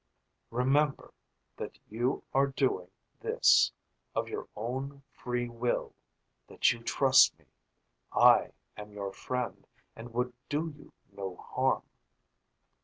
"Remember that you are doing this of your own free will, that you trust me. I am your friend and would do you no harm."